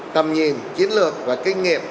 tầm nhìn chiến lược và kinh nghiệp